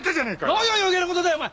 何が余計な事だよお前！